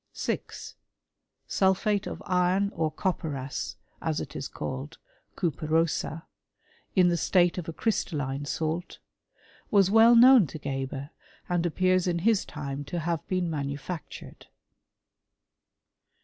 6. Sulphate of iron or copperas, as it is called (cuperosa), in the state of a crystalline salt, was well known to Geber, and appears in his time to have been.^ manufactured.